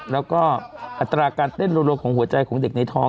แล้วก็อัตราการเต้นรัวของหัวใจของเด็กในท้อง